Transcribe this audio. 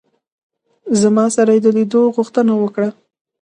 زما سره یې د لیدلو غوښتنه وکړه.